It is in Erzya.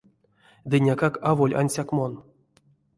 Ды, некак, аволь ансяк мон.